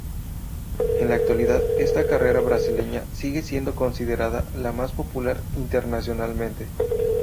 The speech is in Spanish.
En la actualidad, esta carrera brasileña sigue siendo considerada la más popular internacionalmente.